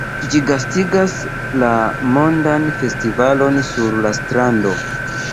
Ĝi gastigas la Mondan Festivalon sur la Strando.